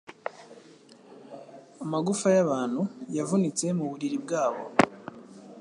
Amagufa yabantu, yavunitse muburiri bwabo,